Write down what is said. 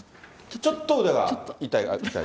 ちょっと腕が痛い？